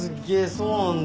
そうなんだ。